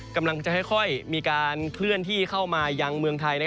กำลังจะค่อยมีการเคลื่อนที่เข้ามายังเมืองไทย